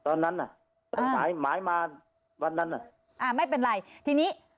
ตอนนั้นน่ะหมายหมายมาวันนั้นอ่ะอ่าไม่เป็นไรทีนี้